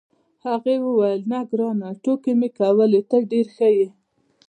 هغې وویل: نه، ګرانه، ټوکې مې کولې، ته ډېر ښه یې.